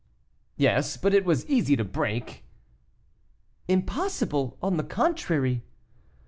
"Yes, but it was easy to break." "Impossible, on the contrary."